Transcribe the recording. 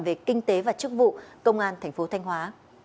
về kinh tế và chức vụ công an tp thanh hóa